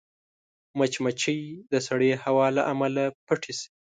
مچمچۍ د سړې هوا له امله پټه شي